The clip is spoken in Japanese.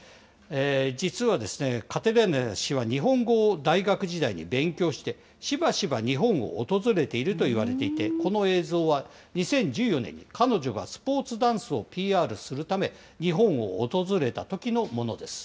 実はですね、カテリーナ氏は日本語を大学時代に勉強してしばしば日本を訪れているといわれていて、この映像は２０１４年に彼女がスポーツダンスをＰＲするため、日本を訪れたときのものです。